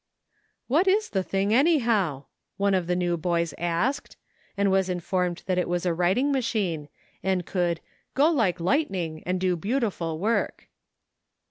"What is the thing, anyhow?" one of the new boys asked, and was informed that it was a writing machine, and could "go like lightning and do beautiful work."